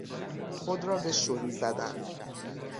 خود را به شلی زدن